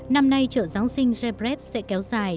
năm nay trợ giáng sinh zagreb sẽ kéo dài